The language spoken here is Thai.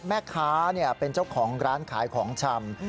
แม่ค้าเป็นเจ้าของร้านขายของชำ